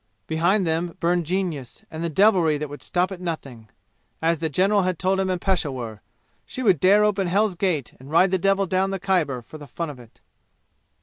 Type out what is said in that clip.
Behind them burned genius and the devilry that would stop at nothing. As the general had told him in Peshawur, she would dare open Hell's gate and ride the devil down the Khyber for the fun of it.